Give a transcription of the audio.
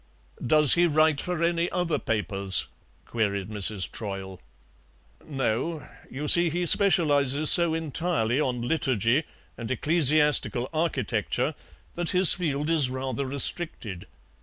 "Does he write for any other papers?" queried Mrs. Troyle. "No, you see he specializes so entirely on liturgy and ecclesiastical architecture that his field is rather restricted.